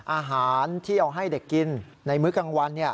อาหารที่เอาให้เด็กกินในมื้อกลางวัน